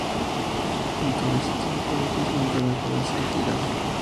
En todo ese tiempo Ellis nunca dejó de hacer giras.